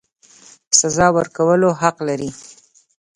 سزا ورکولو حق لري.